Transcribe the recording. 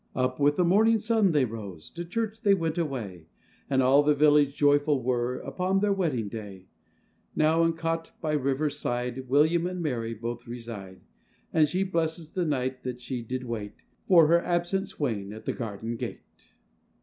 Up with the morning sun they rose, To church they went away, And all the village joyful were, Upon their wedding day: Now in a cot, by a river side, William and Mary both reside; And she blesses the night that she did wait For her absent swain, at the garden gate.